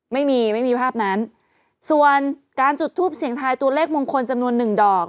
ไม่มีไม่มีภาพนั้นส่วนการจุดทูปเสียงทายตัวเลขมงคลจำนวนหนึ่งดอก